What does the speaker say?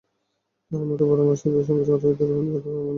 তাঁর মতো বড়মাপের শিল্পীর সঙ্গে চলচ্চিত্রের গান গাইতে পেরে আমি অনেক খুশি।